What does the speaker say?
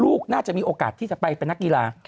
ลูกน่าจะมีโอกาสที่จะไปเป็นนักกีฬา